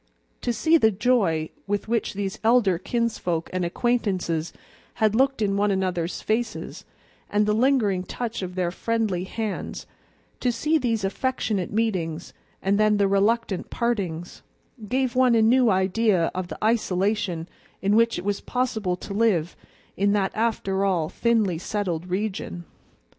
To see the joy with which these elder kinsfolk and acquaintances had looked in one another's faces, and the lingering touch of their friendly hands; to see these affectionate meetings and then the reluctant partings, gave one a new idea of the isolation in which it was possible to live in that after all thinly settled region.